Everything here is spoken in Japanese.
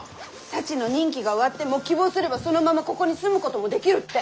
サチの任期が終わっても希望すればそのままここに住むこともできるって。